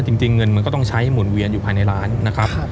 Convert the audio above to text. จริงเงินมันก็ต้องใช้หมุนเวียนอยู่ภายในร้านนะครับ